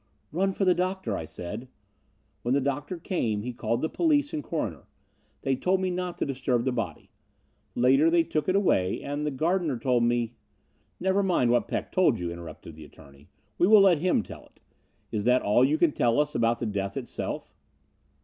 "'Run for the doctor,' I said. When the doctor came he called the police and coroner. They told me not to disturb the body. Later they took it away, and the gardener told me " "Never mind what Peck told you," interrupted the attorney. "We will let him tell it. Is that all you can tell us about the death itself?"